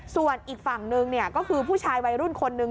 ส่วนอีกฝั่งนึงก็คือผู้ชายวัยรุ่นคนนึง